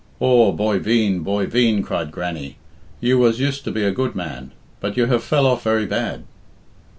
"Aw, boy veen, boy veen," cried Grannie, "you was used to be a good man, but you have fell off very bad."